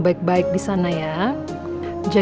belum apa apa auch